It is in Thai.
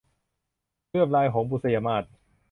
เลื่อมลายหงส์ - บุษยมาส